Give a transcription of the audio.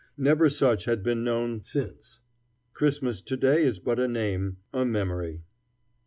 Never such had been known since. Christmas to day is but a name, a memory.